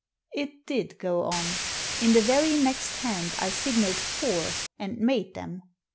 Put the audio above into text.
It did go on. In the very next hand I signalled four, and made them.